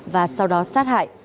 và sau đó sát hại